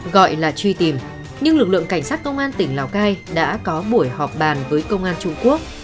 gọi là truy tìm nhưng lực lượng cảnh sát công an tỉnh lào cai đã có buổi họp bàn với công an trung quốc